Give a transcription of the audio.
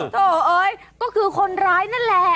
เธอเอ้ยก็คือคนร้ายนั่นแหละ